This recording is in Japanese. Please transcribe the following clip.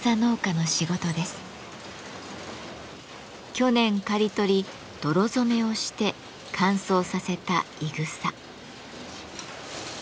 去年刈り取り泥染めをして乾燥させたいぐさ。